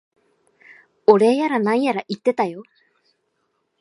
お礼やら何やら言ってたよ。